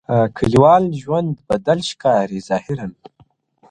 کليوال ژوند بدل ښکاري ظاهراً,